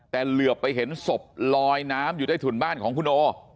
แต่เหลือไปเห็นศพลอยน้ำอยู่ใต้ถุนบ้านของคุณโอ